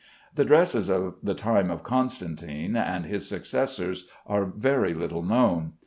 The dresses of the time of Constantine and his successors are very little known.